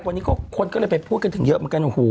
วันนี้คนก็ได้ไปพูดกันถึงเยอะเหมือนกัน